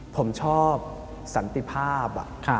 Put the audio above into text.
ผมชอบสันติภาพ